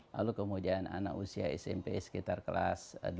lalu kemudian anak usia smp sekitar kelas dua